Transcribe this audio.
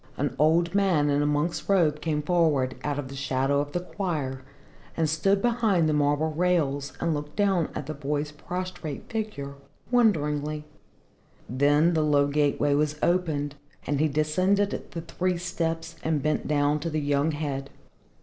An old man in a monk's robe came forward out of the shadow of the choir and stood behind the marble rails and looked down at the boy's prostrate figure, wonderingly. Then the low gateway was opened and he descended the three steps and bent down to the young head.